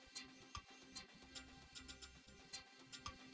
kurang latihan kamu